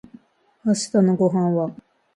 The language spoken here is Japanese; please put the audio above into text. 明日のご飯は